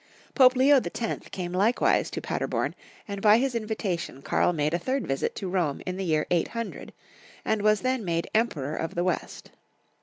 Pope Leo X. came likewise to Paderborn, and by his invitation Karl made a third visit to Rome in the year 800, and was then made Emperor of the West.